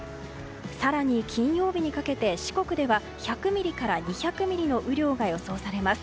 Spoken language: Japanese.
更に、金曜日にかけて四国では１００ミリから２００ミリの雨量が予想されます。